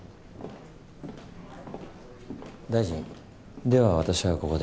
大臣では私はここで。